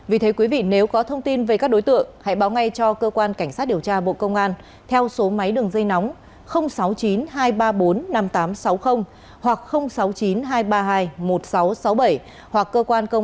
vì thế quý vị nếu có thông tin về các đối tượng hãy báo ngay cho cơ quan cảnh sát điều tra bộ công an theo số máy đường dây nóng sáu mươi chín hai trăm ba mươi bốn năm nghìn tám trăm sáu mươi hoặc sáu mươi chín hai trăm ba mươi hai